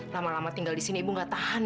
lama lama tinggal di sini ibu nggak tahu